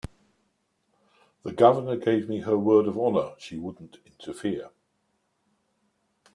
The Governor gave me her word of honor she wouldn't interfere.